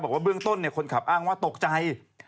บอกว่าเบื้องต้นคนขับอ้างว่าตกใจ